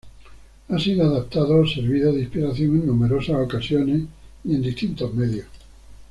Ha sido adaptado o servido de inspiración en numerosas ocasiones y en distintos medios.